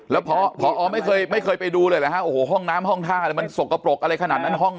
แล้วพอไม่เคยไม่เคยไปดูเลยเหรอฮะโอ้โหห้องน้ำห้องท่าเลยมันสกปรกอะไรขนาดนั้นห้อง